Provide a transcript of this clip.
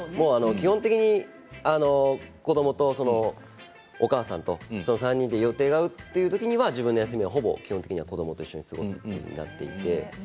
基本的に子どもとお母さんと３人で予定が合うという時には自分の休みは基本的に子どもと過ごすということになっていて。